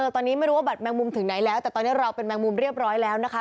ตอนนี้ไม่รู้ว่าบัตแมงมุมถึงไหนแล้วแต่ตอนนี้เราเป็นแมงมุมเรียบร้อยแล้วนะคะ